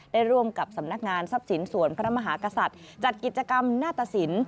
ร่วมกับสำนักงานทรัพย์สินส่วนพระมหากษัตริย์จัดกิจกรรมหน้าตสิน